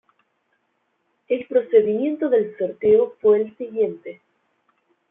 El procedimiento del sorteo fue el siguiente.